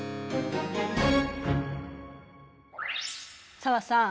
紗和さん